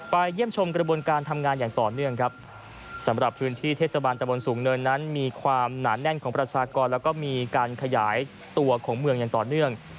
เยี่ยมชมกระบวนการทำงานอย่างต่อเนื่องครับสำหรับพื้นที่เทศบาลตะบนสูงเนินนั้นมีความหนาแน่นของประชากรแล้วก็มีการขยายตัวของเมืองอย่างต่อเนื่อง